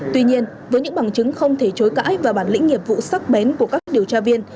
tuy nhiên với những bằng chứng không thể chối cãi và bản lĩnh nghiệp vụ sắc bén của các điều tra viên